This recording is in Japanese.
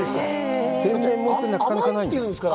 天然もんってなかなかないんだよ。